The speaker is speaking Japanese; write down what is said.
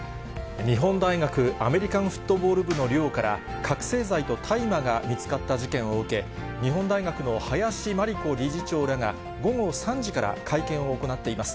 日本大学アメリカンフットボール部の寮から覚醒剤と大麻が見つかった事件を受け、日本大学の林真理子理事長らが、午後３時から会見を行っています。